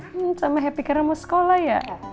hmm sama happy karena mau sekolah ya